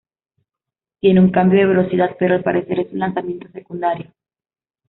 Tiene un cambio de velocidad, pero al parecer es un lanzamiento secundario.